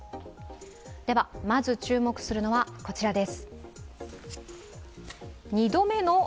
まず注目するのは、こちらです。